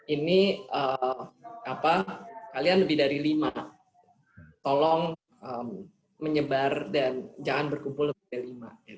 ini kalian lebih dari lima tolong menyebar dan jangan berkumpul lebih dari lima